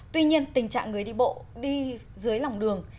tuy nhiên tình trạng người đi bộ đi dưới lòng đường